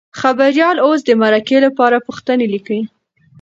خبریال اوس د مرکې لپاره پوښتنې لیکي.